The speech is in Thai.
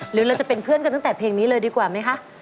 หรือเราจะเป็นเพื่อนกันตั้งแต่เพลงนี้เลยดีกว่าไหมคะ